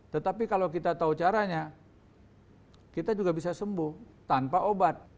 tetapi kalau kita tahu caranya kita juga bisa sembuh tanpa obat